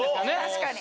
確かに。